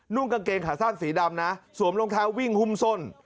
กางเกงขาสั้นสีดำนะสวมรองเท้าวิ่งหุ้มส้น